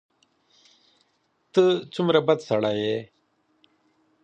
ته څومره بد سړی یې !